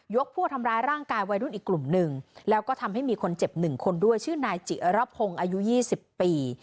พวกทำร้ายร่างกายวัยรุ่นอีกกลุ่มหนึ่งแล้วก็ทำให้มีคนเจ็บ๑คนด้วยชื่อนายจิระพงศ์อายุ๒๐ปี